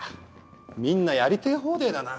みんなやりてぇ放題だな。